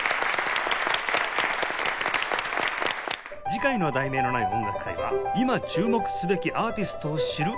次回の『題名のない音楽会』は「いま注目すべきアーティストを知る音楽会」